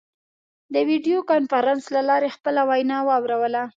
د ویډیو کنفرانس له لارې خپله وینا واوروله.